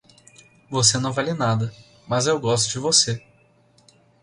Você não vale nada, mas eu gosto de você